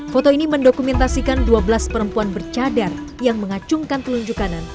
foto ini mendokumentasikan dua belas perempuan bercadar yang mengacungkan telunjuk kanan